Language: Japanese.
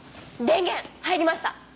電源入りました！